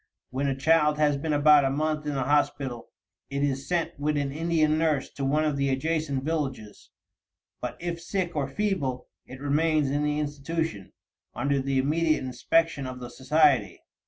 When a child has been about a month in the hospital, it is sent with an Indian nurse to one of the adjacent villages; but if sick or feeble, it remains in the institution, under the immediate inspection of the society.